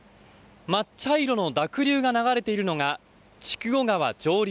まっ茶色の濁流が流れているのが筑後川上流